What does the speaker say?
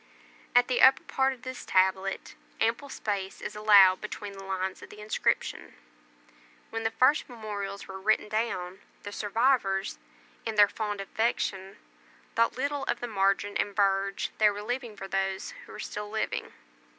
At the upper part of this tablet ample space is allowed between the lines of the inscription; when the first memorials were written down, the survivors, in their fond affection, thought little of the margin and verge they were leaving for those who were still living.